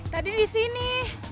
tadi di sini